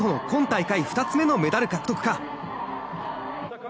今大会２つ目のメダル獲得か。